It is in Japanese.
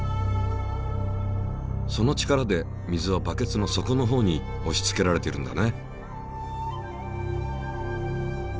その力で水はバケツの底のほうにおしつけられているんだね。